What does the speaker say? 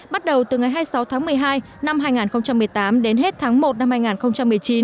bắt đầu từ ngày hai mươi sáu tháng một mươi hai năm hai nghìn một mươi tám đến hết tháng một năm hai nghìn một mươi chín